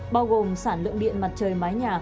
bao gồm sản lượng điện mặt trời mái nhà